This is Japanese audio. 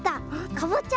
かぼちゃ！